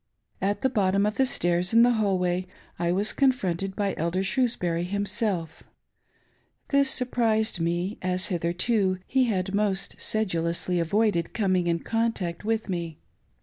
At the bottom of the stairs, in the hall way, I was con fronted by Elder Shrewsbury himself. This" surprised me, as hitherto he had most sedulously avoided coming in contact with me.